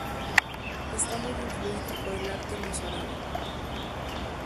Está muy influida por el arte mozárabe.